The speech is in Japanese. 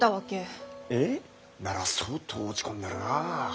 えっ？なら相当落ち込んでるなあ。